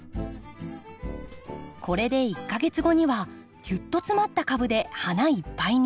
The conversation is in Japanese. これで１か月後にはギュッと詰まった株で花いっぱいに。